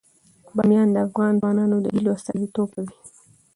بامیان د افغان ځوانانو د هیلو استازیتوب کوي.